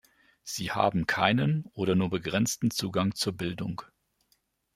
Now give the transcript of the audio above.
Sie haben keinen oder nur begrenzten Zugang zur Bildung.